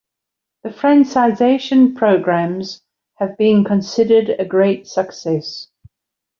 The francization programmes have been considered a great success.